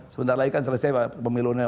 sebentar lagi kan selesai pemilunya